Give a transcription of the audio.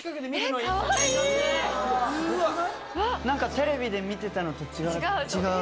テレビで見てたのと違う。